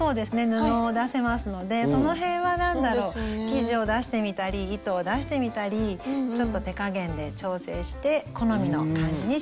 布を出せますのでその辺は何だろ生地を出してみたり糸を出してみたりちょっと手加減で調整して好みの感じに仕上げていって下さい。